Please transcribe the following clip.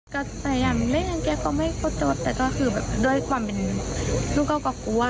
ก็พยายามเล่นแกก็ไม่เข้าใจแต่ก็คือแบบด้วยความเป็นลูกเขาก็กลัว